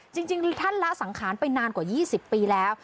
จริงท่านละสังขารไปนานกว่า๒๐ปีแล้ว